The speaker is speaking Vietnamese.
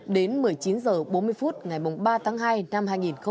đến một mươi chín h bốn mươi phút ngày ba tháng hai năm hai nghìn một mươi chín